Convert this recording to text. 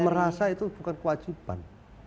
merasa itu bukan kewajiban